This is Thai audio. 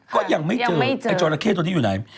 ก็ยังไม่เจอไอ้จราเข้ตัวนี้อยู่ไหน